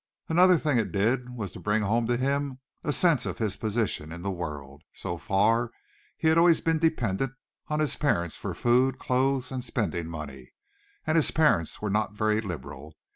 Another thing it did was to bring home to him a sense of his position in the world. So far he had always been dependent on his parents for food, clothes and spending money, and his parents were not very liberal.